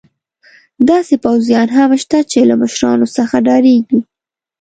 داسې پوځیان هم شته چې له مشرانو څخه ډارېږي.